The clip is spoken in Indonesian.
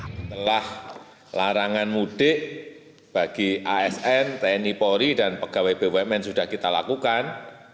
setelah larangan mudik bagi asn tni polri dan pegawai bumn sudah kita lakukan